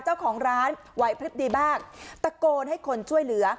เจ้าของร้านไหวพลิบดีมากตะโกนให้คนช่วยเหลือ